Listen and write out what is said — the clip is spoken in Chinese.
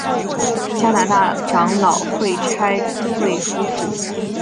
加拿大长老会差会夫妇。